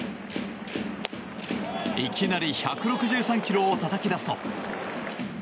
いきなり１６３ｋｍをたたき出すと。